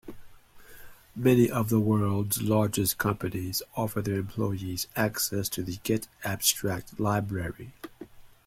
Many of the world's largest companies offer their employees access to the getAbstract Library.